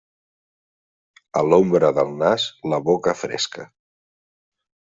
A l'ombra del nas, la boca fresca.